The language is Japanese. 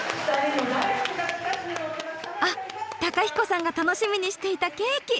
あっ公彦さんが楽しみにしていたケーキ！